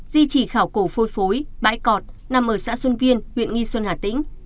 di trì khảo cổ phôi phối bãi cọi nằm ở xã xuân viên huyện nghi xuân hà tĩnh